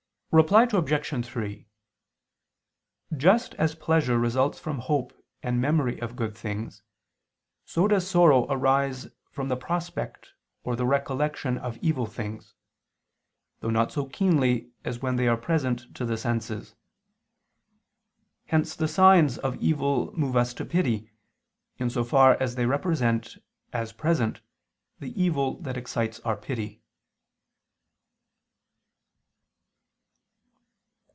Reply Obj. 3: Just as pleasure results from hope and memory of good things, so does sorrow arise from the prospect or the recollection of evil things; though not so keenly as when they are present to the senses. Hence the signs of evil move us to pity, in so far as they represent as present, the evil that excites our pity.